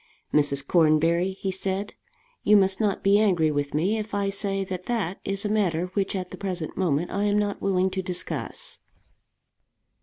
"Mrs. Cornbury," he said, "you must not be angry with me if I say that that is a matter which at the present moment I am not willing to discuss."